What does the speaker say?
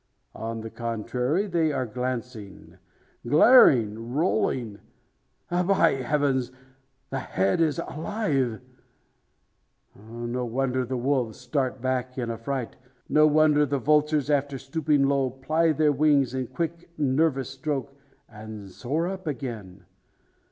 On the contrary, they are glancing glaring rolling. By Heavens the head is alive! No wonder the wolves start back in affright; no wonder the vultures, after stooping low, ply their wings in quick nervous stroke, and soar up again!